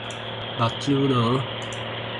目睭濁